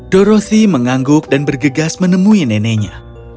doroshi mengangguk dan bergegas menemui neneknya